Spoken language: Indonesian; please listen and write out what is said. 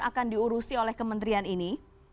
akan diurusi oleh kementerian ini